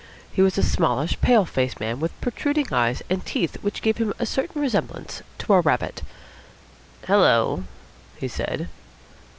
He was a smallish, pale faced man with protruding eyes and teeth which gave him a certain resemblance to a rabbit. "Hello," he said.